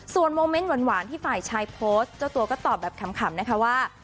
ส่วนโมเมนต์หวานที่ฝ่ายชายโพสต์เจ้าตัวก็ตอบแบบขำนะคะว่า